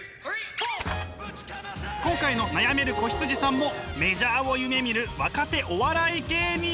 今回の悩める子羊さんもメジャーを夢みる若手お笑い芸人。